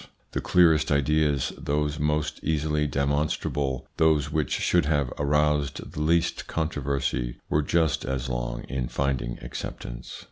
The clearest ideas, those most easily demonstrable, those which should have aroused the least controversy, were just as long in finding acceptance.